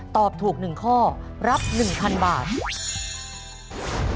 ตอบถูก๑ข้อรับ๑๐๐๐บาท